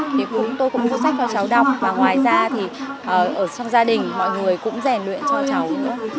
thì tôi cũng mua sách cho cháu đọc và ngoài ra thì ở trong gia đình mọi người cũng rèn luyện cho cháu nữa